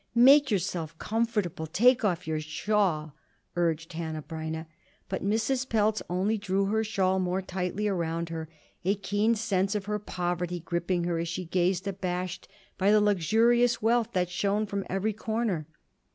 "Make yourself comfortable. Take off your shawl," urged Hanneh Breineh. But Mrs. Pelz only drew her shawl more tightly around her, a keen sense of her poverty gripping her as she gazed, abashed by the luxurious wealth that shone from every corner.